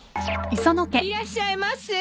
いらっしゃいませ。